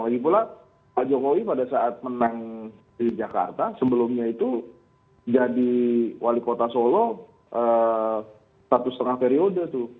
lagi pula pak jokowi pada saat menang di jakarta sebelumnya itu jadi wali kota solo satu setengah periode tuh